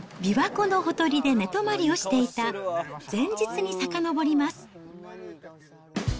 琵琶湖のほとりで寝泊まりをしていた、前日にさかのぼります。